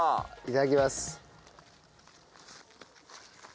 いただきます。